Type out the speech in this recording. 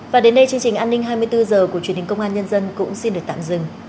và đến đây chương trình an ninh hai mươi bốn h của truyền hình công an nhân dân cũng xin được tạm dừng